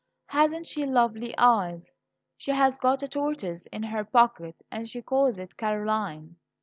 Hasn't she lovely eyes? She's got a tortoise in her pocket, and she calls it 'Caroline.'"